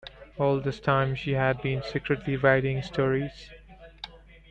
All this time she had been secretly writing stories.